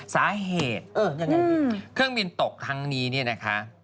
สาเหตุเครื่องบินตกทางนี้นะครับ